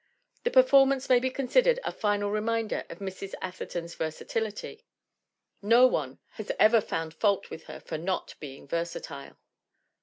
The per formance may be considered a final reminder of Mrs. Atherton's versatility. No one has ever found fault with her for not being versatile!